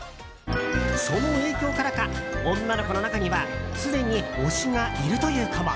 その影響からか、女の子の中にはすでに推しがいるという子も。